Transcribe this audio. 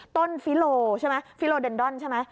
ฟิโลใช่ไหมฟิโลเดนดอนใช่ไหม